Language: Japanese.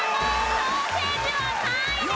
ソーセージは３位です！